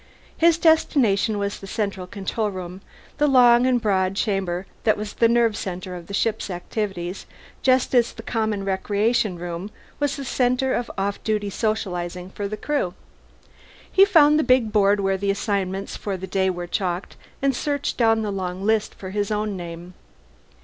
His destination was the Central Control Room, that long and broad chamber that was the nerve center of the ship's activities just as the Common Recreation Room was the center of off duty socializing for the Crew. He found the big board where the assignments for the day were chalked, and searched down the long lists for his own name.